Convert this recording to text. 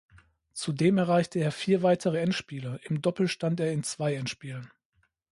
Zudem erreichte er vier weitere Endspiele; im Doppel stand er in zwei Endspielen.